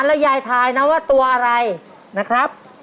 แล้วยายทายนะว่าตัวอะไรนะครับ